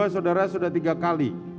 saudara sudah tiga kali